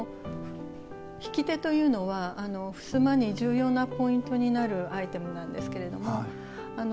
引き手というのは襖に重要なポイントになるアイテムなんですけれども。